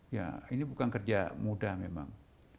ya ini bukan kerja mudah memang